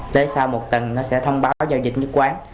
tới sau một tuần nó sẽ thông báo giao dịch nhất quán